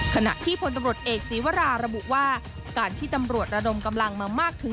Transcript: ขณะที่พลตำรวจเอกศีวราระบุว่าการที่ตำรวจระดมกำลังมามากถึง